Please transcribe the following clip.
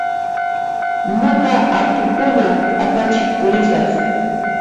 Nuqa apukuna q'apachiq pusiraq.